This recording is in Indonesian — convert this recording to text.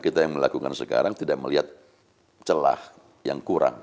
kita yang melakukan sekarang tidak melihat celah yang kurang